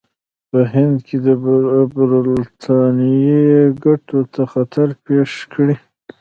په هند کې د برټانیې ګټو ته خطر پېښ کړي.